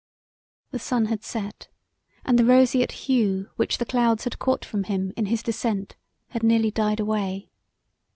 The sun had set and the roseate hue which the clouds had caught from him in his descent had nearly died away.